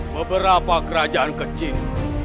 beberapa kerajaan kecil